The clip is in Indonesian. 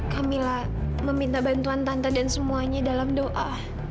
kamila meminta bantuan tanta dan semuanya dalam doa